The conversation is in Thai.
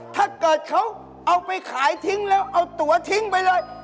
ถ้าเกิดเขาเอาไปขายทิ้งแล้วเอาตัวทิ้งไปเลย